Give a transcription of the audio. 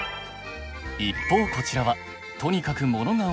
一方こちらはとにかくモノが多いキッチン。